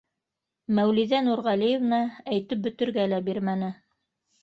Мәүлиҙә Нурғәлиевна әйтеп бөтөргә лә бирмәне: